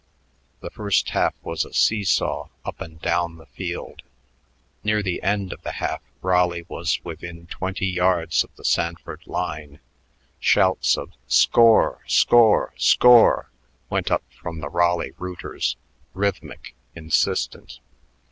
The first half was a see saw up and down the field. Near the end of the half Raleigh was within twenty yards of the Sanford line. Shouts of "Score! Score! Score!" went up from the Raleigh rooters, rhythmic, insistent.